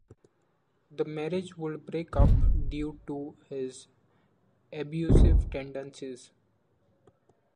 The marriage would break up due to his abusive tendencies.